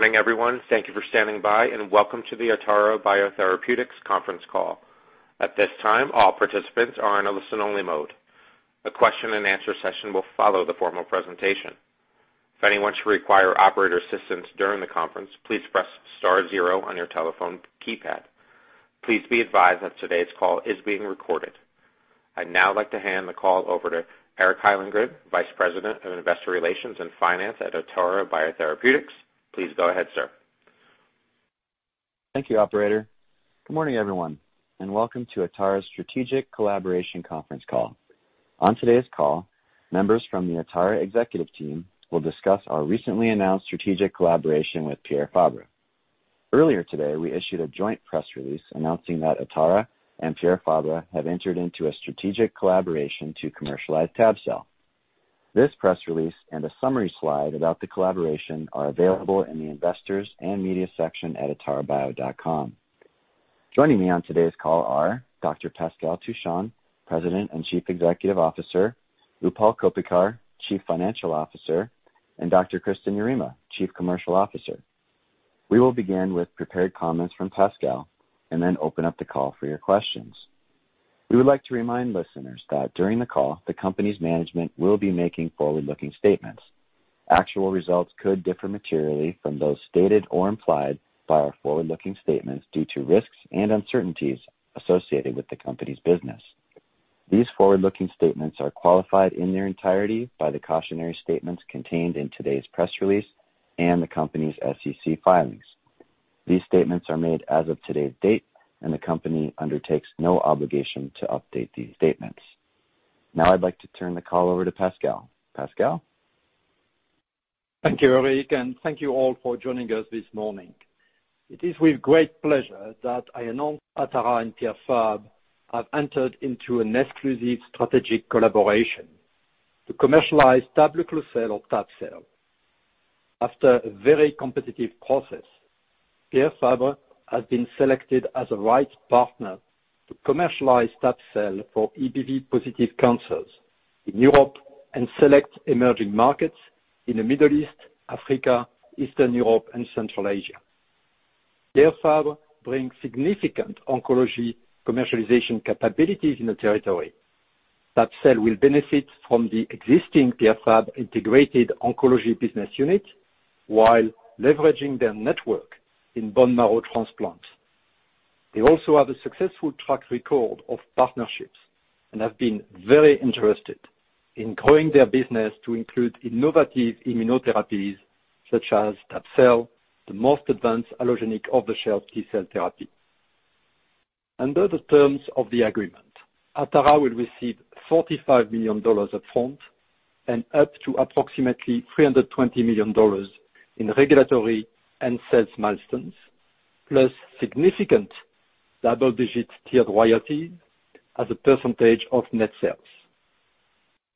Good morning, everyone. Thank you for standing by, and welcome to the Atara Biotherapeutics conference call. At this time, all participants are in a listen-only mode. A question and answer session will follow the formal presentation. If anyone should require operator assistance during the conference, please press star zero on your telephone keypad. Please be advised that today's call is being recorded. I'd now like to hand the call over to Eric Hyllengren, Vice President of Investor Relations and Finance at Atara Biotherapeutics. Please go ahead, sir. Thank you, operator. Good morning, everyone, and welcome to Atara's Strategic Collaboration conference call. On today's call, members from the Atara executive team will discuss our recently announced strategic collaboration with Pierre Fabre. Earlier today, we issued a joint press release announcing that Atara and Pierre Fabre have entered into a strategic collaboration to commercialize Tab-cel. This press release and a summary slide about the collaboration are available in the Investors and Media section at atarabio.com. Joining me on today's call are Dr. Pascal Touchon, President and Chief Executive Officer, Utpal Koppikar, Chief Financial Officer, and Dr. Kristin Yarema, Chief Commercial Officer. We will begin with prepared comments from Pascal and then open up the call for your questions. We would like to remind listeners that during the call, the company's management will be making forward-looking statements. Actual results could differ materially from those stated or implied by our forward-looking statements due to risks and uncertainties associated with the company's business. These forward-looking statements are qualified in their entirety by the cautionary statements contained in today's press release and the company's SEC filings. These statements are made as of today's date. The company undertakes no obligation to update these statements. Now I'd like to turn the call over to Pascal. Pascal? Thank you, Eric, and thank you all for joining us this morning. It is with great pleasure that I announce Atara and Pierre Fabre have entered into an exclusive strategic collaboration to commercialize tabelecleucel or Tab-cel. After a very competitive process, Pierre Fabre has been selected as the right partner to commercialize Tab-cel for EBV positive cancers in Europe and select emerging markets in the Middle East, Africa, Eastern Europe, and Central Asia. Pierre Fabre brings significant oncology commercialization capabilities in the territory. Tab-cel will benefit from the existing Pierre Fabre integrated oncology business unit while leveraging their network in bone marrow transplant. They also have a successful track record of partnerships and have been very interested in growing their business to include innovative immunotherapies such as Tab-cel, the most advanced allogeneic off-the-shelf T-cell therapy. Under the terms of the agreement, Atara will receive $45 million upfront and up to approximately $320 million in regulatory and sales milestones, plus significant double-digit tiered royalty as a percentage of net sales.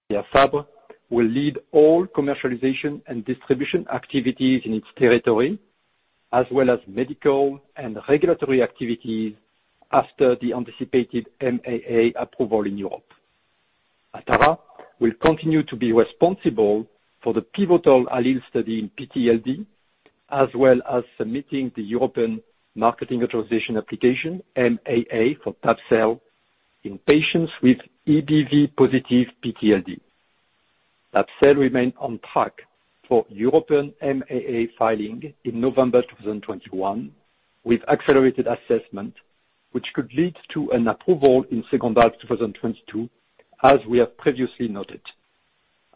Pierre Fabre will lead all commercialization and distribution activities in its territory, as well as medical and regulatory activities after the anticipated MAA approval in Europe. Atara will continue to be responsible for the pivotal ALLELE study in PTLD, as well as submitting the European Marketing Authorisation Application, MAA, for Tab-cel in patients with EBV positive PTLD. Tab-cel remains on track for European MAA filing in November 2021 with accelerated assessment, which could lead to an approval in the second half of 2022, as we have previously noted.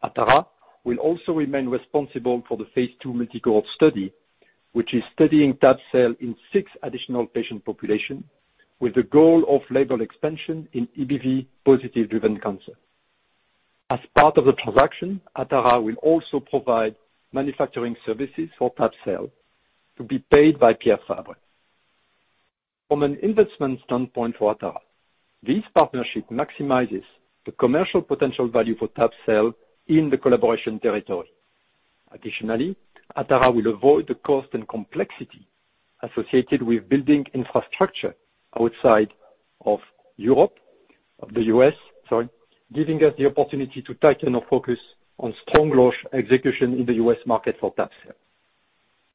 Atara will also remain responsible for the phase II multi-cohort study, which is studying Tab-cel in six additional patient populations with the goal of label expansion in EBV-positive driven cancer. As part of the transaction, Atara will also provide manufacturing services for Tab-cel to be paid by Pierre Fabre. From an investment standpoint for Atara, this partnership maximizes the commercial potential value for Tab-cel in the collaboration territory. Atara will avoid the cost and complexity associated with building infrastructure outside of the U.S., giving us the opportunity to tighten our focus on strong launch execution in the U.S. market for Tab-cel.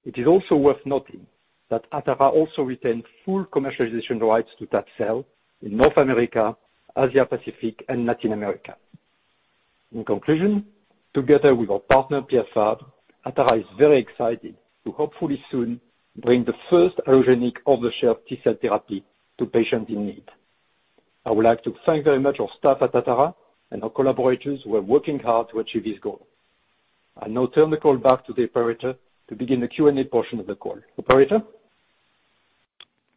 It is also worth noting that Atara also retained full commercialization rights to Tab-cel in North America, Asia-Pacific, and Latin America. In conclusion, together with our partner, Pierre Fabre, Atara is very excited to hopefully soon bring the first allogeneic off-the-shelf T-cell therapy to patients in need. I would like to thank very much our staff at Atara and our collaborators who are working hard to achieve this goal. I now turn the call back to the operator to begin the Q&A portion of the call. Operator?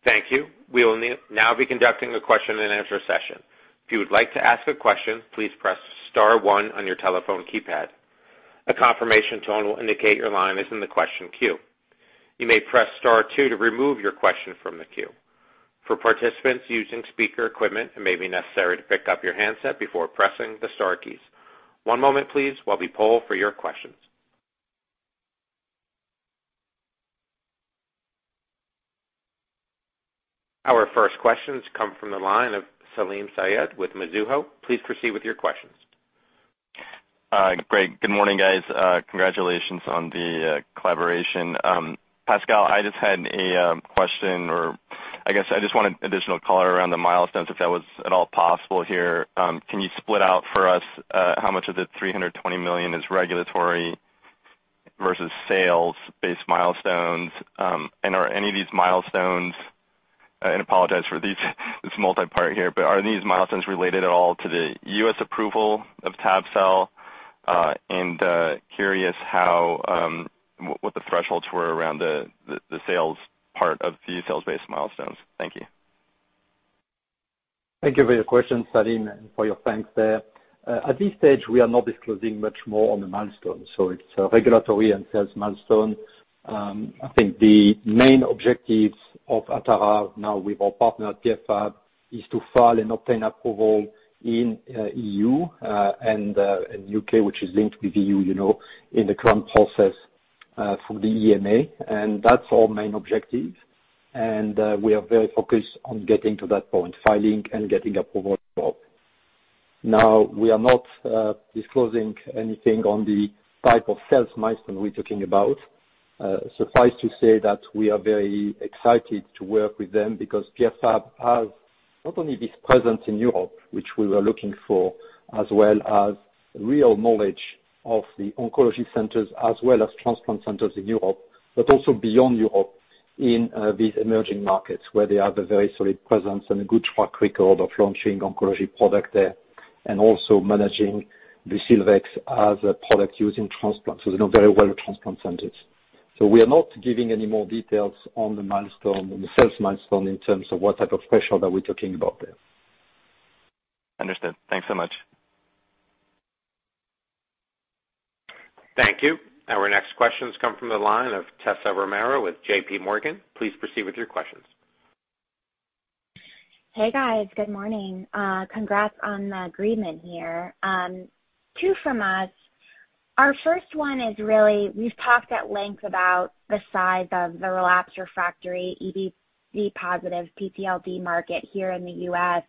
Thank you. We will now be conducting the question and answer session. If you would like to ask a question, please press star one on your telephone keypad. A confirmation tone will indicate your line is in the question queue. You may press star two to remove your question from the queue. For participants using speaker equipment, it may be necessary to pick up your handset before pressing the star keys. One moment please, while we poll for your questions. Our first questions come from the line of Salim Syed with Mizuho. Please proceed with your questions. Great. Good morning, guys. Congratulations on the collaboration. Pascal, I just had a question, or I guess I just wanted additional color around the milestones, if that was at all possible here. Can you split out for us how much of the $320 million is regulatory versus sales-based milestones? Are any of these milestones, and I apologize for this multi-part here, but are these milestones related at all to the U.S. approval of Tab-cel? Curious what the thresholds were around the sales part of the sales-based milestones. Thank you. Thank you for your question, Salim, and for your thanks there. At this stage, we are not disclosing much more on the milestones. It's a regulatory and sales milestone. I think the main objectives of Atara Biotherapeutics, now with our partner, Pierre Fabre, is to file and obtain approval in EU and U.K., which is linked with EU, in the current process for the [EMA], and that's our main objective. We are very focused on getting to that point, filing and getting approval. Now, we are not disclosing anything on the type of sales milestone we're talking about. Suffice to say that we are very excited to work with them because Pierre Fabre has not only this presence in Europe, which we were looking for, as well as real knowledge of the oncology centers, as well as transplant centers in Europe, but also beyond Europe in these emerging markets where they have a very solid presence and a good track record of launching oncology product there, and also managing Busilvex as a product used in transplants. They know very well transplant centers. We are not giving any more details on the milestone, on the sales milestone in terms of what type of threshold that we're talking about there. Understood. Thanks so much. Thank you. Our next questions come from the line of Tessa Romero with JPMorgan. Please proceed with your questions. Hey, guys. Good morning. Congrats on the agreement here. Two from us. Our first one is really, we've talked at length about the size of the relapsed/refractory EBV-positive PTLD market here in the U.S.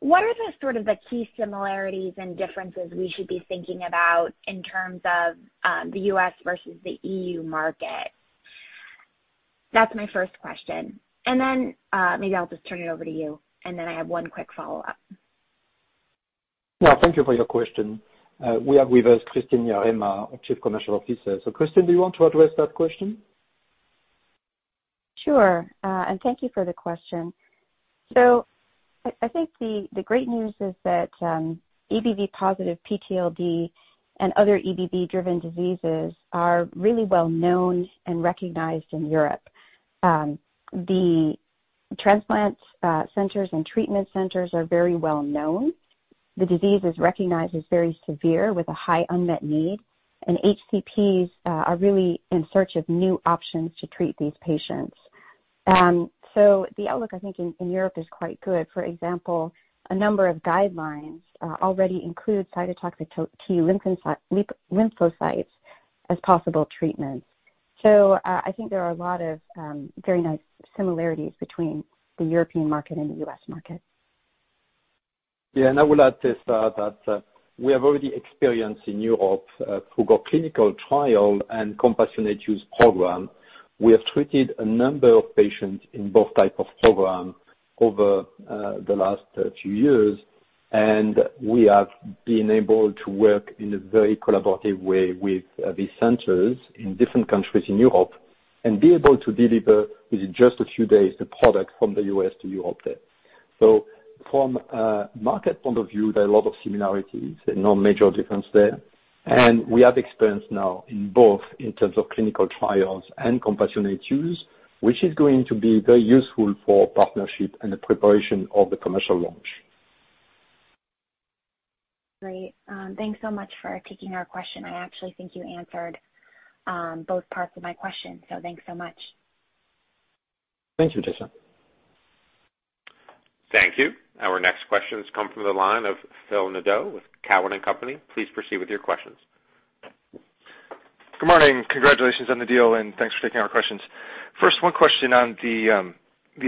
What are the sort of the key similarities and differences we should be thinking about in terms of the U.S. versus the EU market? That's my first question. Maybe I'll just turn it over to you, and then I have one quick follow-up. Well, thank you for your question. We have with us Kristin Yarema, our Chief Commercial Officer. Kristin, do you want to address that question? Sure. Thank you for the question. I think the great news is that EBV positive PTLD and other EBV-driven diseases are really well known and recognized in Europe. The transplant centers and treatment centers are very well known. The disease is recognized as very severe with a high unmet need, and HCPs are really in search of new options to treat these patients. The outlook, I think, in Europe is quite good. For example, a number of guidelines already include cytotoxic T lymphocytes as possible treatments. I think there are a lot of very nice similarities between the European market and the U.S. market. Yeah, I will add to that we have already experienced in Europe through our clinical trial and compassionate use program. We have treated a number of patients in both type of program over the last few years. We have been able to work in a very collaborative way with these centers in different countries in Europe and be able to deliver within just a few days the product from the U.S. to Europe there. From a market point of view, there are a lot of similarities and no major difference there. We have experience now in both in terms of clinical trials and compassionate use, which is going to be very useful for partnership and the preparation of the commercial launch. Great. Thanks so much for taking our question. I actually think you answered both parts of my question, so thanks so much. Thank you, Tessa. Thank you. Our next questions come from the line of [Phil Nadeau] with Cowen and Company. Please proceed with your questions. Good morning. Congratulations on the deal, thanks for taking our questions. First, one question on the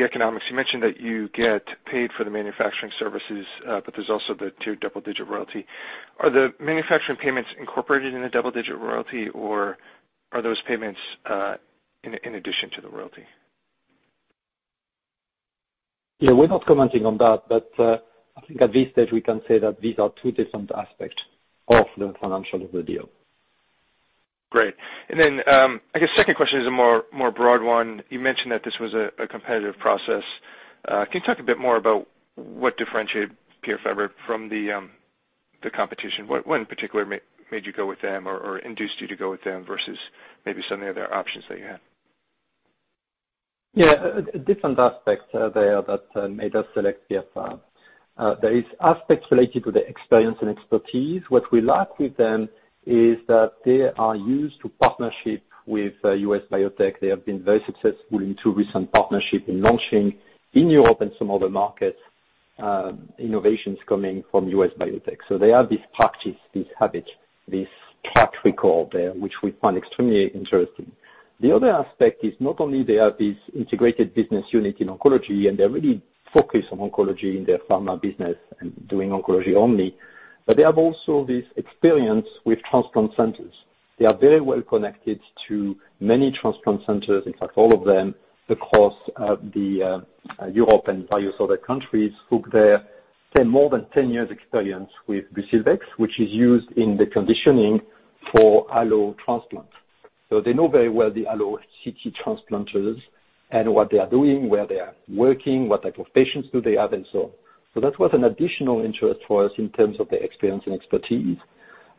economics. You mentioned that you get paid for the manufacturing services, but there's also the two double-digit royalty. Are the manufacturing payments incorporated in the double-digit royalty, or are those payments in addition to the royalty? Yeah, we're not commenting on that, but I think at this stage, we can say that these are two different aspects of the financial of the deal. Great. I guess second question is a more broad one. You mentioned that this was a competitive process. Can you talk a bit more about what differentiated Pierre Fabre from the competition? What in particular made you go with them or induced you to go with them versus maybe some of the other options that you had? Different aspects are there that made us select Pierre Fabre. There is aspects related to the experience and expertise. What we like with them is that they are used to partnership with U.S. biotech. They have been very successful in two recent partnership in launching in Europe and some other markets, innovations coming from U.S. biotech. They have this practice, this habit, this track record there, which we find extremely interesting. The other aspect is not only they have this integrated business unit in oncology, and they're really focused on oncology in their pharma business and doing oncology only, but they have also this experience with transplant centers. They are very well connected to many transplant centers, in fact, all of them across the Europe and various other countries with their more than 10 years experience with Busilvex, which is used in the conditioning for allo transplants. They know very well the allo-HSCT transplantors and what they are doing, where they are working, what type of patients do they have, and so on. That was an additional interest for us in terms of their experience and expertise.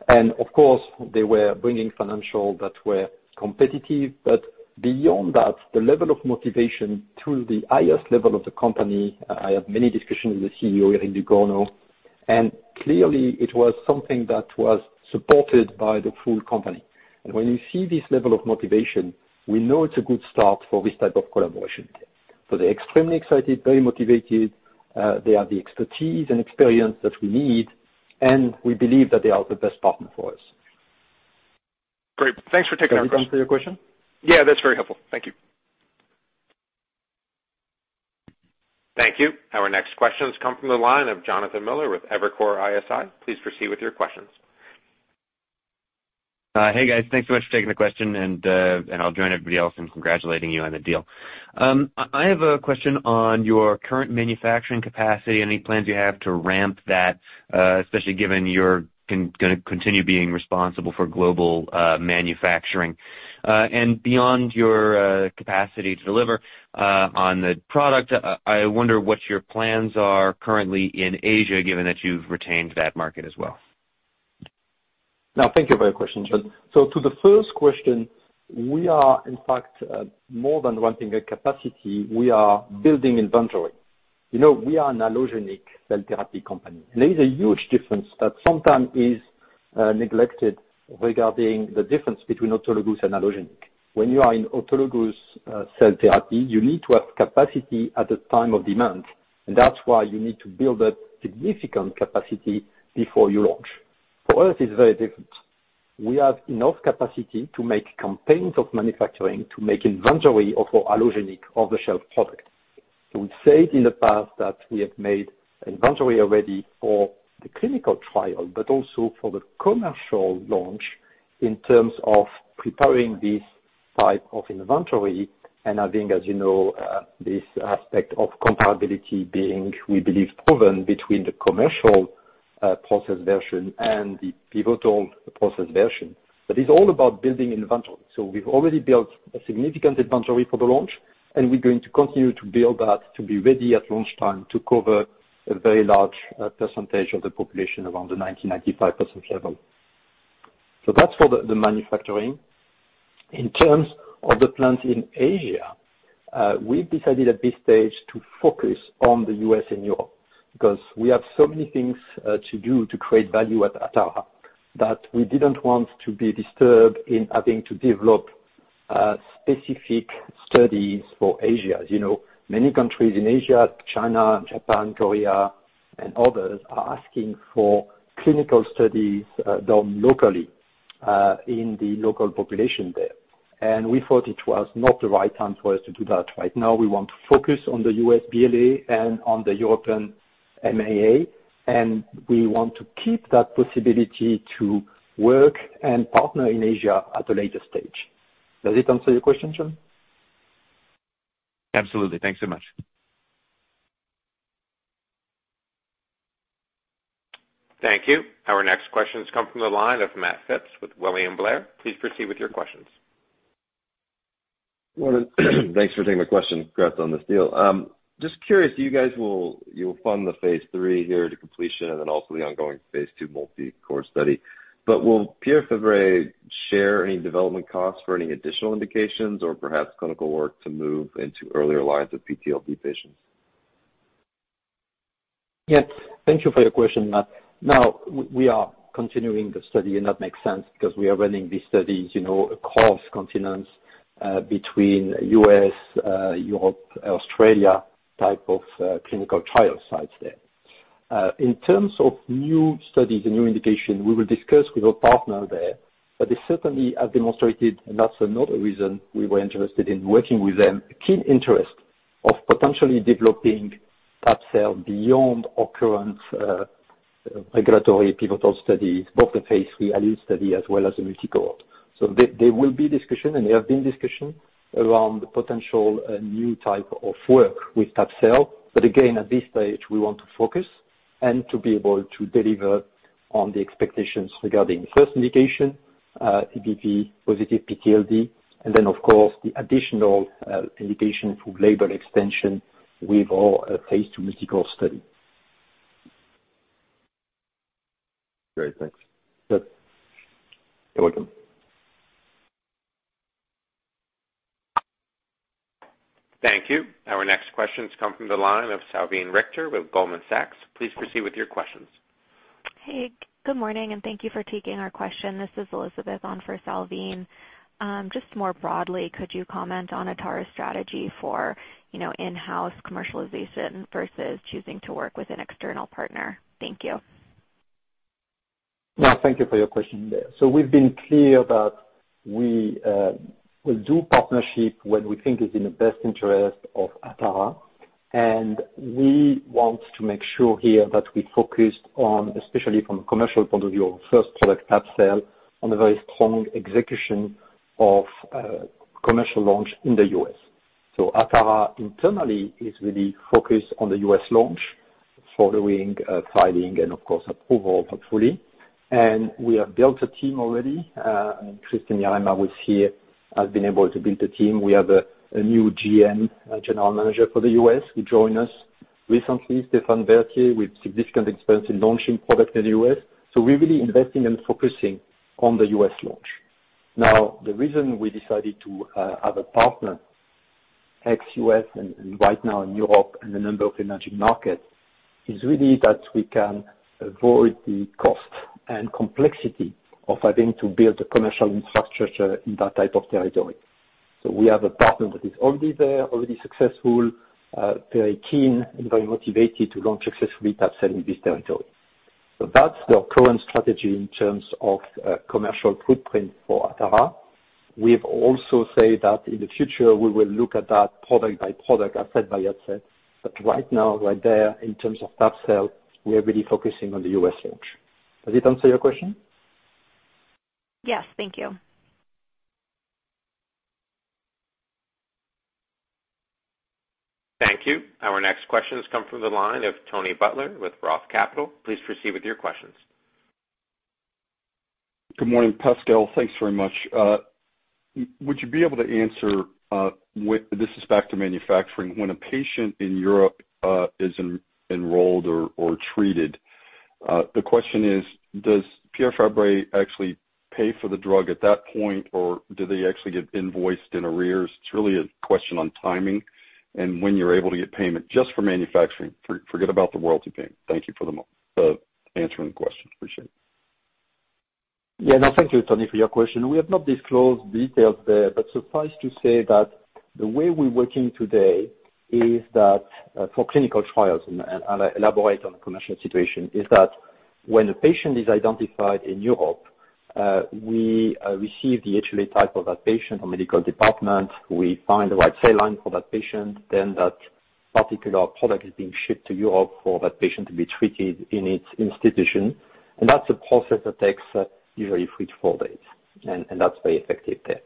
Of course, they were bringing financials that were competitive, but beyond that, the level of motivation to the highest level of the company, I had many discussions with the CEO, [Éric Ducournau], and clearly it was something that was supported by the full company. When you see this level of motivation, we know it's a good start for this type of collaboration. They're extremely excited, very motivated. They have the expertise and experience that we need, and we believe that they are the best partner for us. Great. Thanks for taking our question. Does that answer your question? Yeah. That's very helpful. Thank you. Thank you. Our next questions come from the line of Jonathan Miller with Evercore ISI. Please proceed with your questions. Hey, guys. Thanks so much for taking the question. I'll join everybody else in congratulating you on the deal. I have a question on your current manufacturing capacity. Any plans you have to ramp that, especially given you're going to continue being responsible for global manufacturing. Beyond your capacity to deliver on the product, I wonder what your plans are currently in Asia, given that you've retained that market as well. No. Thank you for your question, [Jon]. To the first question, we are in fact more than ramping a capacity. We are building inventory. We are an allogeneic cell therapy company. There is a huge difference that sometimes is neglected regarding the difference between autologous and allogeneic. When you are in autologous cell therapy, you need to have capacity at the time of demand, and that's why you need to build a significant capacity before you launch. For us, it's very different. We have enough capacity to make campaigns of manufacturing to make inventory of our allogeneic off-the-shelf product. We've said in the past that we have made inventory already for the clinical trial, but also for the commercial launch in terms of preparing this type of inventory and having, as you know, this aspect of comparability being, we believe, proven between the commercial process version and the pivotal process version. It's all about building inventory. We've already built a significant inventory for the launch, and we're going to continue to build that to be ready at launch time to cover a very large percentage of the population around the 90%-95% level. That's for the manufacturing. In terms of the plant in Asia, we've decided at this stage to focus on the U.S. and Europe because we have so many things to do to create value at Atara, that we didn't want to be disturbed in having to develop specific studies for Asia. As you know, many countries in Asia, China, Japan, Korea, and others, are asking for clinical studies done locally, in the local population there. We thought it was not the right time for us to do that. Right now, we want to focus on the U.S. BLA and on the European MAA, and we want to keep that possibility to work and partner in Asia at a later stage. Does it answer your question, [Jon]? Absolutely. Thanks so much. Thank you. Our next questions come from the line of Matt Phipps with William Blair. Please proceed with your questions. Morning. Thanks for taking my question. Congrats on this deal. Just curious, you guys will fund the phase III here to completion and then also the ongoing phase II multi-cohort study. Will Pierre Fabre share any development costs for any additional indications or perhaps clinical work to move into earlier lines of PTLD patients? Yes. Thank you for your question, Matt. We are continuing the study, and that makes sense because we are running these studies across continents between U.S., Europe, Australia type of clinical trial sites there. In terms of new studies and new indication, we will discuss with our partner there. They certainly have demonstrated, and that's another reason we were interested in working with them, a keen interest of potentially developing Tab-cel beyond our current regulatory pivotal studies, both the phase III ALLELE study as well as the multi-cohort. There will be discussion, and there have been discussion around potential new type of work with Tab-cel. Again, at this stage, we want to focus and to be able to deliver on the expectations regarding first indication, EBV-positive PTLD, and then of course the additional indication through label extension with our phase II multi-cohort study. Great. Thanks. Yep. You're welcome. Thank you. Our next questions come from the line of Salveen Richter with Goldman Sachs. Please proceed with your questions. Hey, good morning, and thank you for taking our question. This is Elizabeth on for Salveen. Just more broadly, could you comment on Atara's strategy for in-house commercialization versus choosing to work with an external partner? Thank you. Well, thank you for your question. We've been clear that we will do partnership when we think is in the best interest of Atara, and we want to make sure here that we focus on, especially from a commercial point of view, first product, Tab-cel, on a very strong execution of commercial launch in the U.S. Atara internally is really focused on the U.S. launch following filing and, of course, approval, hopefully. We have built a team already. Kristin Yarema, who is here, has been able to build a team. We have a new GM, a General Manager for the U.S., who joined us recently, Stephane Berthier, with significant experience in launching products in the U.S. We're really investing and focusing on the U.S. launch. The reason we decided to have a partner ex-U.S. and right now in Europe and a number of emerging markets, is really that we can avoid the cost and complexity of having to build the commercial infrastructure in that type of territory. We have a partner that is already there, already successful, very keen and very motivated to launch successfully Tab-cel in this territory. That's the current strategy in terms of commercial footprint for Atara. We've also said that in the future, we will look at that product by product, asset by asset. Right now, right there, in terms of Tab-cel, we are really focusing on the U.S. launch. Does it answer your question? Yes. Thank you. Thank you. Our next question has come from the line of Tony Butler with ROTH Capital. Please proceed with your questions. Good morning, Pascal. Thanks very much. Would you be able to answer, this is back to manufacturing, when a patient in Europe is enrolled or treated, the question is, does Pierre Fabre actually pay for the drug at that point, or do they actually get invoiced in arrears? It's really a question on timing and when you're able to get payment just for manufacturing. Forget about the royalty payment. Thank you for answering the question. Appreciate it. Yeah. No, thank you, Tony, for your question. We have not disclosed details there, but suffice to say that the way we're working today is that for clinical trials, and I'll elaborate on the commercial situation, is that when a patient is identified in Europe, we receive the HLA type of that patient from medical department. We find the right cell line for that patient, then that particular product is being shipped to Europe for that patient to be treated in its institution. That's a process that takes usually three to four days, and that's very effective there.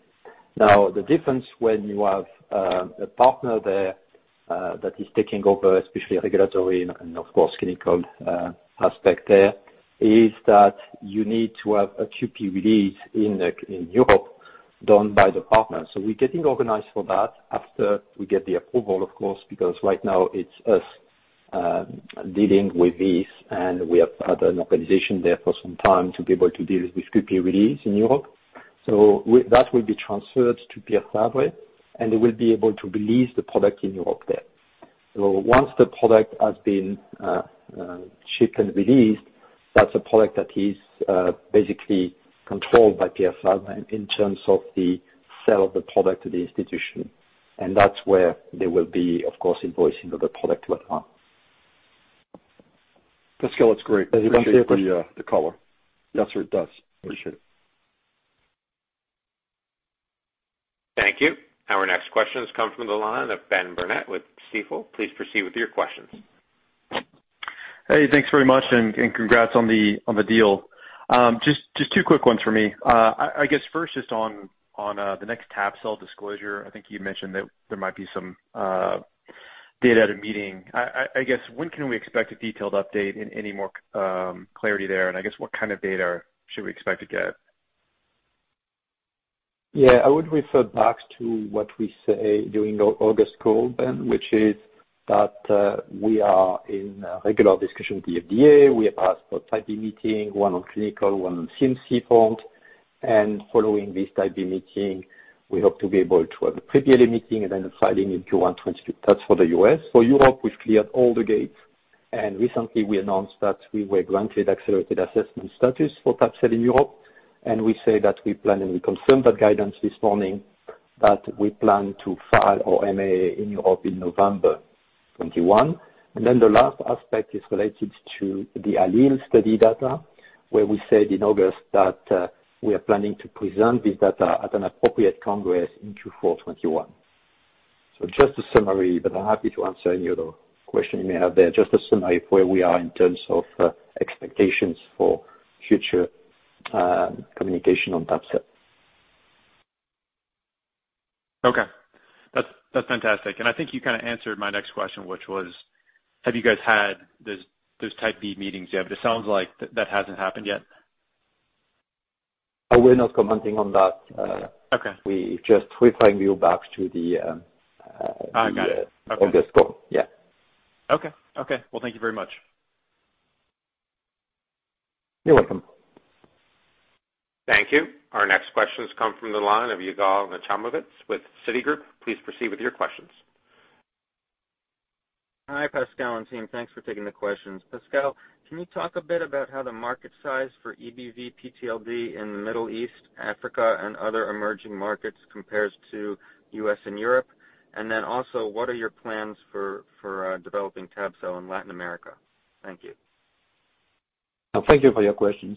The difference when you have a partner there that is taking over, especially regulatory and of course, clinical aspect there, is that you need to have a QP release in Europe done by the partner. We're getting organized for that after we get the approval, of course, because right now it's us dealing with this, and we have had an organization there for some time to be able to deal with QP release in Europe. That will be transferred to Pierre Fabre, and they will be able to release the product in Europe there. Once the product has been shipped and released, that's a product that is basically controlled by Pierre Fabre in terms of the sale of the product to the institution. That's where there will be, of course, invoicing of the product by them. Pascal, that's great. Does it answer your question? Appreciate the color. Yes, sir, it does. Appreciate it. Thank you. Our next question has come from the line of [Ben Burnett] with Stifel. Please proceed with your questions. Hey, thanks very much, and congrats on the deal. Just two quick ones for me. I guess first, just on the next Tab-cel disclosure, I think you had mentioned that there might be some data at a meeting. I guess when can we expect a detailed update and any more clarity there, and I guess what kind of data should we expect to get? Yeah, I would refer back to what we say during August call, Ben, which is that we are in regular discussion with the FDA. We have asked for Type B meeting, one on clinical, one on CMC front. Following this Type B meeting, we hope to be able to have a pre-BLA meeting and then a filing in Q1 2022. That's for the U.S. For Europe, we've cleared all the gates, recently we announced that we were granted accelerated assessment status for Tab-cel in Europe, we say that we plan and we confirm that guidance this morning that we plan to file our MAA in Europe in November 2021. The last aspect is related to the ALLELE study data, where we said in August that we are planning to present this data at an appropriate congress in Q4 2021. Just a summary, but I'm happy to answer any other question you may have there. Just a summary of where we are in terms of expectations for future communication on Tab-cel. Okay. That's fantastic. I think you kind of answered my next question, which was, have you guys had those Type B meetings yet? It sounds like that hasn't happened yet. We're not commenting on that. Okay. We just referring you back to the. I got it. Okay. August call. Yeah. Okay. Well, thank you very much. You're welcome. Thank you. Our next question has come from the line of Yigal Nochomovitz with Citigroup. Please proceed with your questions. Hi, Pascal and team. Thanks for taking the questions. Pascal, can you talk a bit about how the market size for EBV, PTLD in the Middle East, Africa, and other emerging markets compares to U.S. and Europe? Also, what are your plans for developing Tab-cel in Latin America? Thank you. Thank you for your question.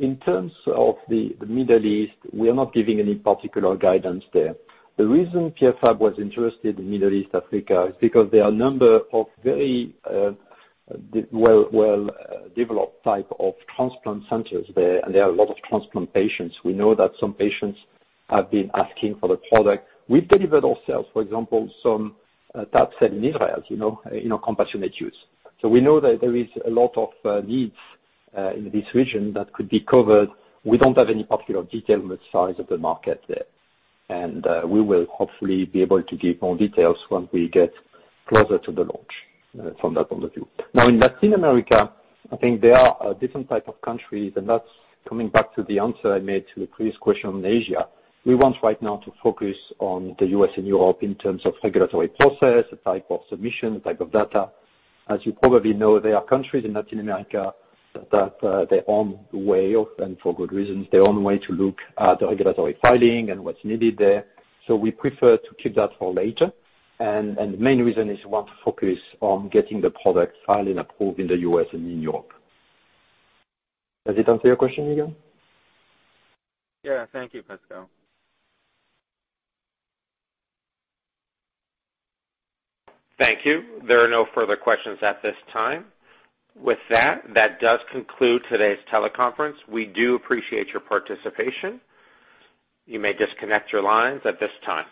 In terms of the Middle East, we are not giving any particular guidance there. The reason Pierre Fabre was interested in Middle East, Africa, is because there are a number of very well-developed type of transplant centers there, and there are a lot of transplant patients. We know that some patients have been asking for the product. We delivered ourselves, for example, some Tab-cel in Israel, in a compassionate use. We know that there is a lot of needs in this region that could be covered. We don't have any particular detail on the size of the market there. We will hopefully be able to give more details once we get closer to the launch from that point of view. In Latin America, I think there are different type of countries, and that's coming back to the answer I made to the previous question on Asia. We want right now to focus on the U.S. and Europe in terms of regulatory process, the type of submission, the type of data. As you probably know, there are countries in Latin America that their own way, and for good reasons, their own way to look at the regulatory filing and what's needed there. We prefer to keep that for later. The main reason is we want to focus on getting the product filed and approved in the U.S. and in Europe. Does it answer your question, Yigal? Yeah. Thank you, Pascal. Thank you. There are no further questions at this time. With that does conclude today's teleconference. We do appreciate your participation. You may disconnect your lines at this time.